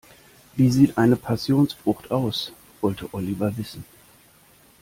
"Wie sieht eine Passionsfrucht aus?", wollte Oliver wissen.